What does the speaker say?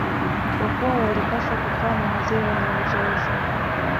kwa kuwa walipaswa kukaa na wazee wenye uzoefu